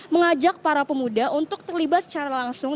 mengajak para pemuda untuk terlibat secara langsung